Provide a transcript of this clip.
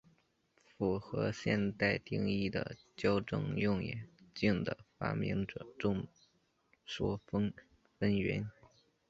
符合现代定义的矫正用眼镜的发明者众说纷纭。